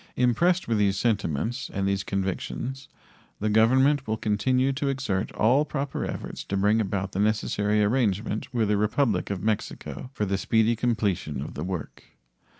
Impressed with these sentiments and these convictions, the Government will continue to exert all proper efforts to bring about the necessary arrangement with the Republic of Mexico for the speedy completion of the work.